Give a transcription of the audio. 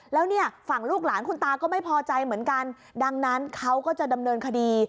แล้วเนี่ยฝั่งลูกหลานคุณตาก็ไม่พอใจเหมือนกันดังนั้นเขาก็จะดำเนินคดี